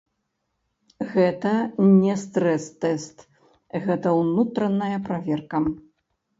Гэта не стрэс-тэст, гэта ўнутраная праверка.